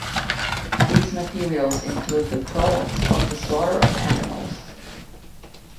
These materials include the products of the slaughter of animals.